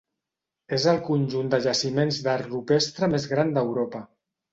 És el conjunt de jaciments d'art rupestre més gran d'Europa.